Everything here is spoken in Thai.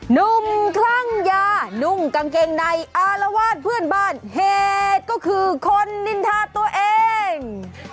หนุ่มคลั่งยานุ่งกางเกงในอารวาสเพื่อนบ้านเหตุก็คือคนนินทาตัวเอง